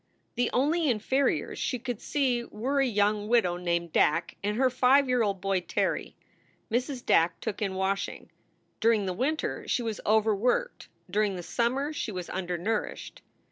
The only inferiors she could see were a young widow named Dack and her five year old boy, Terry. Mrs. Dack took in washing. During the winter she was overworked; during the summer she was undernourished.